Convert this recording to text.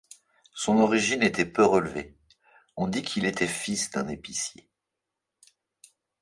Son origine était peu relevée ; on dit qu'il était fils d'un épicier.